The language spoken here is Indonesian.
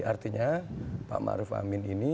artinya pak maruf amin ini